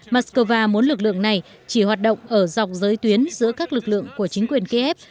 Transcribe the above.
mắc cơ va muốn lực lượng này chỉ hoạt động ở dọc giới tuyến giữa các lực lượng của chính quyền kiev